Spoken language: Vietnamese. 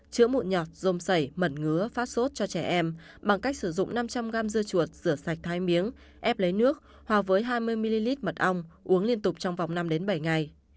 chữa mụn nhọt dôm sẩy mẩn ngứa phát sốt cho trẻ em bằng cách sử dụng năm trăm linh gram dưa chuột rửa sạch thái miếng ép lấy nước hòa với hai mươi ml mật ong uống liên tục trong vòng năm bảy ngày